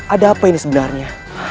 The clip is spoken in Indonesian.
ada apa ini sebenarnya